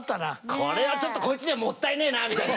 これはちょっとこいつにはもったいねえなみたいな。